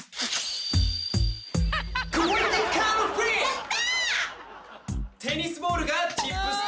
やった！